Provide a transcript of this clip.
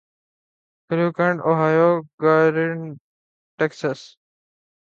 Cleveland Ohio گارینڈ Texas